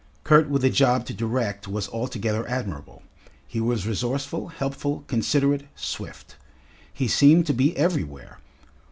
Kurt with a job to direct was altogether admirable; he was resourceful, helpful, considerate, swift. He seemed to be everywhere.